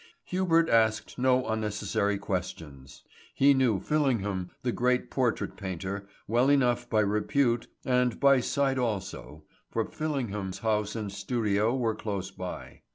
Hubert asked no unnecessary questions. He knew Fillingham, the great portrait painter, well enough by repute and by sight also, for Fillingham's house and studio were close by.